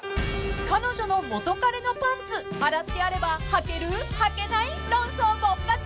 ［彼女の元カレのパンツ洗ってあればはけるはけない論争勃発！］